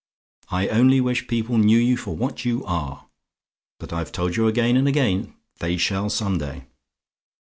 I only wish people knew you for what you are; but I've told you again and again they shall some day.